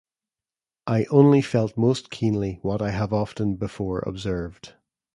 I only felt most keenly what I have often before observed.